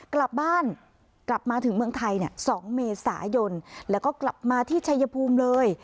กลับมากลับมาถึงเมืองไทย๒เมษายนแล้วก็กลับมาที่ชัยภูมิเลย